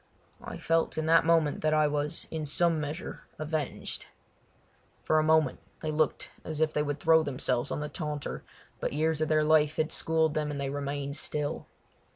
I felt in that moment that I was in some measure avenged. For a moment they looked as if they would throw themselves on the taunter, but years of their life had schooled them and they remained still.